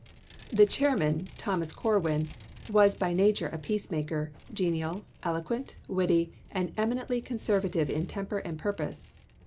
The chairman, Thomas Corwin, was by nature a peacemaker, genial, elo quent, witty, and eminently conservative in temper and purpose.